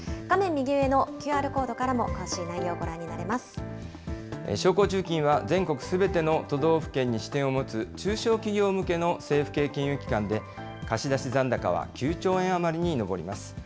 右上のＱＲコードからも詳し商工中金は全国すべての都道府県に支店を持つ中小企業向けの政府系金融機関で、貸し出し残高は９兆円余りに上ります。